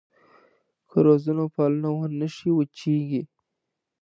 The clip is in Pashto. که روزنه وپالنه ونه شي وچېږي.